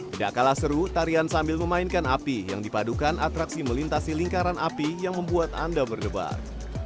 tidak kalah seru tarian sambil memainkan api yang dipadukan atraksi melintasi lingkaran api yang membuat anda berdebar